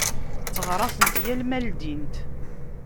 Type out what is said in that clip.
Tteɣraṣent yal ma ldint.